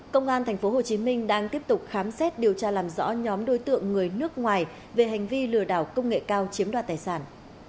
công an tp hcm đang tiếp tục khám xét điều tra làm rõ nhóm đối tượng người nước ngoài về hành vi lừa đảo công nghệ cao chiếm đoạt tài sản